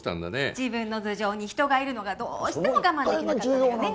自分の頭上に人がいるのがどうしても我慢できなかったのよね